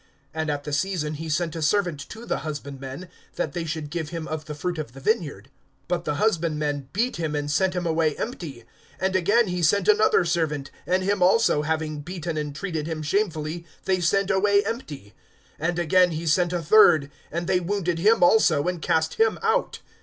(10)And at the season he sent a servant to the husbandmen, that they should give him of the fruit of the vineyard; but the husbandmen beat him, and sent him away empty. (11)And again he sent another servant; and him also, having beaten and treated him shamefully, they sent away empty. (12)And again he sent a third; and they wounded him also, and cast him out.